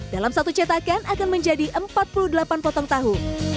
dalam satu cetakan akan menjadi empat puluh delapan potong tahu